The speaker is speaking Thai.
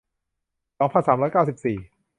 สองพันสามร้อยเก้าสิบสี่